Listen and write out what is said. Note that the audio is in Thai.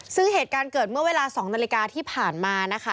ซึ่งเหตุการณ์เกิดเมื่อเวลา๒นาฬิกาที่ผ่านมานะคะ